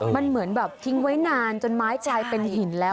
มันเหมือนแบบทิ้งไว้นานจนไม้กลายเป็นหินแล้ว